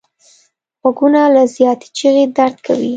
غوږونه له زیاتې چیغې درد کوي